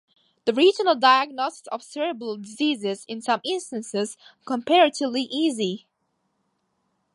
The regional diagnosis of cerebral disease is, in some instances, comparatively easy.